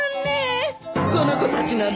この子たちなんですよ。